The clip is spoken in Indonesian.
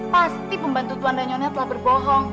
pasti pembantu tuan dan nyonya telah berbohong